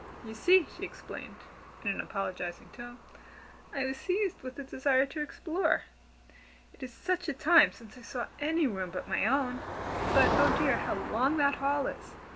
"You see," she explained, in an apologizing tone, "I was seized with a desire to explore. It is such a time since I saw any room but my own! But oh dear, how long that hall is!